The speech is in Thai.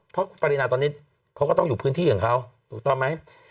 เพราะคุณปรินาตอนนี้เขาก็ต้องอยู่พื้นที่ของเขาถูกต้องไหม